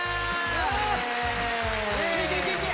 いけいけいけいけ！